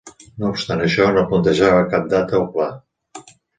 No obstant això, no plantejava cap data o pla.